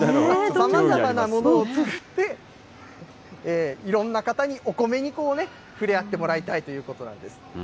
さまざまなものを使って、いろんな方にお米に触れ合ってもらいたいということなんです。